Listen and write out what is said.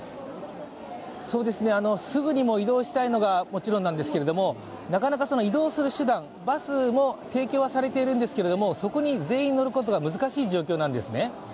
すぐにも移動したいのはもちろんなんですけれどもなかなか移動する手段、バスの提供はされているんですけどそこに全員乗ることが難しい状況なんですね。